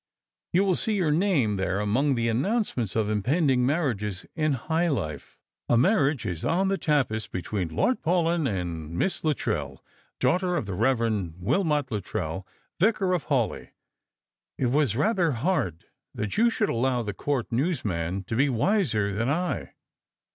" You will see your name there among the announcements of impending marriages in high life. ' A marriage is on the ta2n3 between Lord Paulyn and Miss Luttrell, daughter of the Rev Wilmot Luttrell, vicar of Hawleigh.' It was rather hard that you should allow the court newsman to be wiser than I."